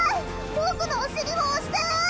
僕のお尻を押して。